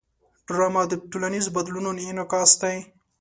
ډرامه د ټولنیزو بدلونونو انعکاس دی